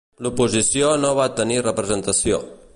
L'oposició no va tenir representació.